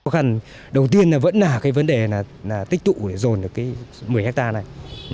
khó khăn đầu tiên là vẫn là cái vấn đề là tích tụ để dồn được cái một mươi hectare này